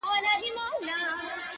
دریم لوری یې د ژوند نه دی لیدلی؛